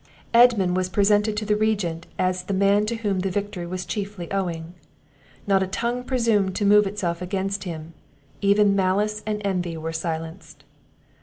Edmund was presented to the Regent as the man to whom the victory was chiefly owing. Not a tongue presumed to move itself against him; even malice and envy were silenced.